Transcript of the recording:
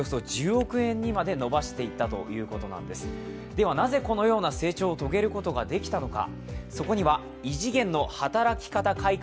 ではなぜこのような成長を遂げることができたのか。